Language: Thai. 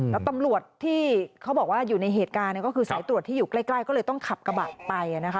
แล้วตำรวจที่เขาบอกว่าอยู่ในเหตุการณ์ก็คือสายตรวจที่อยู่ใกล้ก็เลยต้องขับกระบะไปนะคะ